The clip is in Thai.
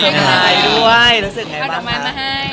ข้าวดรมันมาให้